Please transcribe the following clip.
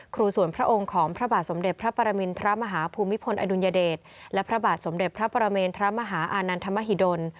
ส่วนพระองค์ของพระบาทสมเด็จพระปรมินทรมาฮภูมิพลอดุลยเดชและพระบาทสมเด็จพระปรเมนทรมาหาอานันทมหิดล